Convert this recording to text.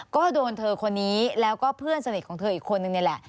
ก็โดนเธอคนนี้แล้วก็เพื่อนสนิทของเธออีกคนนึงนี่แหละ